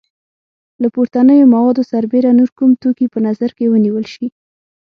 له پورتنیو موادو سربیره نور کوم توکي په نظر کې ونیول شي؟